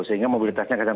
sehingga mobilitasnya kecil